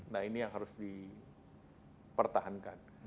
nah ini yang harus dipertahankan